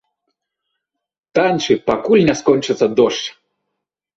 Танчы, пакуль не скончыцца дождж!